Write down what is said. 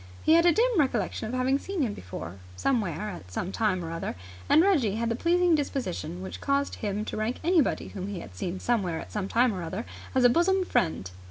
He had a dim recollection of having seen him before somewhere at some time or other, and Reggie had the pleasing disposition which caused him to rank anybody whom he had seen somewhere at some time or other as a bosom friend.